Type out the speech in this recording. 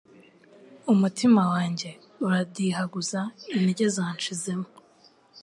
Umutima wanjye uradihaguza intege zanshizemo